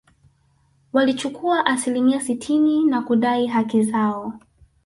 Walichukua asilimia sitini na kudai haki zao